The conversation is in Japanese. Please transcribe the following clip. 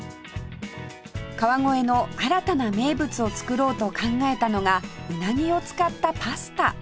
川越の新たな名物を作ろうと考えたのが鰻を使ったパスタ